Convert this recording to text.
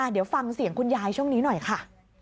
เดี๋ยวฟังเสียงคุณยายช่วงนี้หน่อยค่ะ